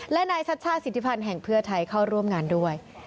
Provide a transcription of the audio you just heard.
และนายชัชชาติสิทธิพันธ์แห่งเพื่อไทยเข้าร่วมงานด้วย